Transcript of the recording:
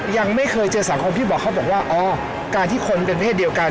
ยังไม่เคยเจอสังคมพี่บอกเขาบอกว่าอ๋อการที่คนเป็นเพศเดียวกัน